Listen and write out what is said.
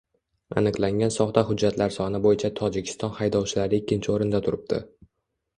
Aniqlangan soxta hujjatlar soni bo‘yicha Tojikiston haydovchilari ikkinchi o‘rinda turibdi